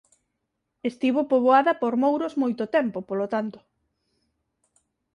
Estivo poboada por mouros moito tempo polo tanto.